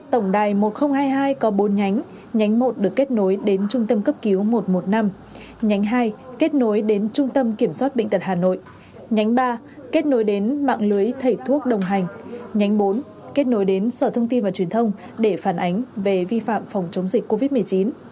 tổng đài một nghìn hai mươi hai có bốn nhánh nhánh một được kết nối đến trung tâm cấp cứu một trăm một mươi năm nhánh hai kết nối đến trung tâm kiểm soát bệnh tật hà nội nhánh ba kết nối đến mạng lưới thầy thuốc đồng hành nhánh bốn kết nối đến sở thông tin và truyền thông để phản ánh về vi phạm phòng chống dịch covid một mươi chín